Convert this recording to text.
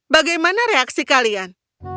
bagaimana reaksi kalian